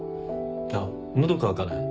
あっ喉渇かない？